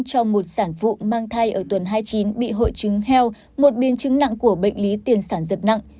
cho một sản phụ mang thai ở tuần hai mươi chín bị hội chứng heo một biên chứng nặng của bệnh lý tiền sản giật nặng